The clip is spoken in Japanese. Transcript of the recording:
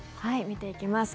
見ていきます。